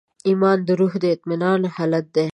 ایمان د روح د اطمینان حالت دی.